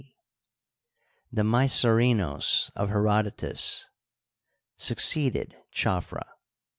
c), the Mycerinos of Herodotus, succeeded Chafra.